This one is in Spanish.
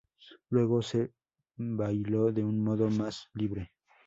Luego se bailó de un modo más libre.